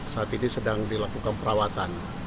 saat ini sedang dilakukan perawatan